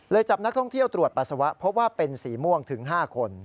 จับนักท่องเที่ยวตรวจปัสสาวะเพราะว่าเป็นสีม่วงถึง๕คน